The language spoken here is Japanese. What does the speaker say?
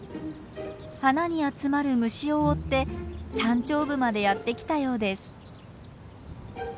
花に集まる虫を追って山頂部までやって来たようです。